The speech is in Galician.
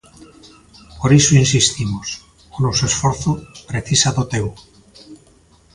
Por iso insistimos: o noso esforzo precisa do teu.